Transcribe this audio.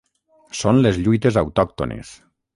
Són les lluites autòctones.